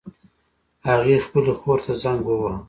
هغې خپلې خور ته زنګ وواهه